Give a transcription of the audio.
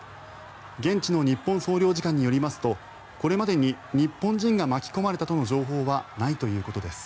現地の日本総領事館によりますとこれまでに日本人が巻き込まれたとの情報はないということです。